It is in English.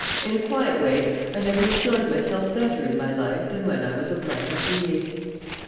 In a quiet way I never enjoyed myself better in my life than when I was a Blighted Being.